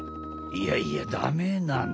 いやいやダメなのよ。